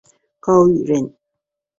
高翥人。